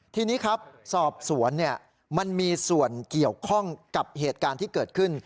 ทีนี้ครับสอบสวนมันมีส่วนเกี่ยวข้องกับเหตุการณ์ที่เกิดขึ้น